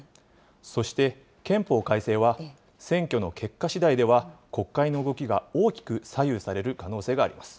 そして、憲法改正は選挙の結果しだいでは、国会の動きが大きく左右される可能性があります。